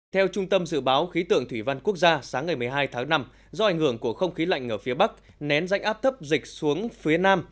theo trung tâm dự báo khí tượng thủy văn quốc gia sáng ngày một mươi hai tháng năm do ảnh hưởng của không khí lạnh ở phía bắc nén rãnh áp thấp dịch xuống phía nam